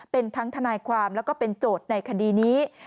เป็นทั้งทนายความแล้วก็เป็นโจทย์ในคดีนี้